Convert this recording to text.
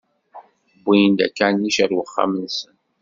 Wwin-d akanic ar wexxam-nsen.